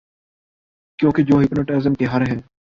کیونکہ جو ہپناٹزم کے ہر ہیں